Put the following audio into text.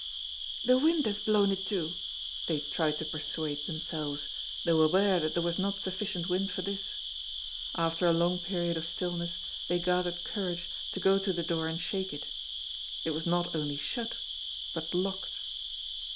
"The wind has blown it to," they tried to persuade themselves, though aware that there was not sufficient wind for this. After a long period of stillness they gathered courage to go to the door and shake it. It was not only shut, but locked.